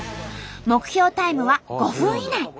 目標タイムは５分以内。